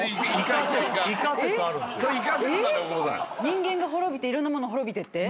人間が滅びていろんなもの滅びてって？